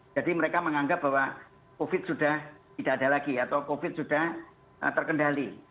jadi mereka menganggap bahwa covid sudah tidak ada lagi atau covid sudah terkendali